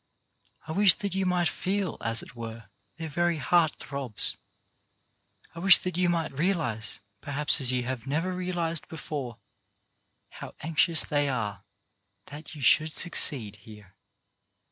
I wish that you might feel, as it were, their very heart throbs. I wish that you might realize, perhaps as you have never realized before, how anxious they are that you should succeed here.